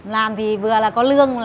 làm thì vừa là có lương